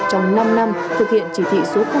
trong năm năm thực hiện chỉ thị số chín